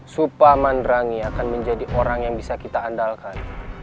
supa mandrangi akan menjadi orang yang bisa kita andalkan